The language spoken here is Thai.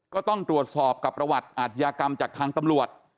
ก็ต้องตรวจสอบกับประวัติอาทยากรรมจากทางตำรวจ